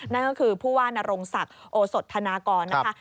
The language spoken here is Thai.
นั่นก็คือผู้ว่านรงศักดิ์โอสดธนากรนะคะ